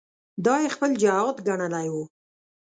دا یې خپل جهاد ګڼلی وو.